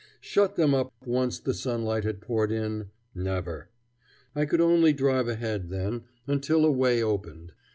Shut them up once the sunlight had poured in never! I could only drive ahead, then, until a way opened.